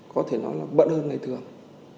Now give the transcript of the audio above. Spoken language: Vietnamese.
có thể nói là bận hơn ngày thường